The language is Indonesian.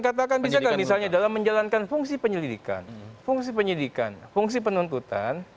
kita akan katakan misalnya dalam menjalankan fungsi penyelidikan fungsi penyidikan fungsi penuntutan